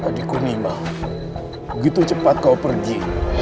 padiku nima begitu cepat kau pergi